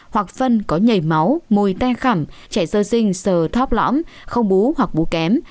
hoặc phân có nhảy máu mùi te khẩm trẻ sơ sinh sờ thóp lõm không bú hoặc bú kém